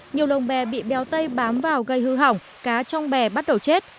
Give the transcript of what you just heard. nhiều lồng bè bị béo tây bám vào gây hư hỏng cá trong bè bắt đầu chết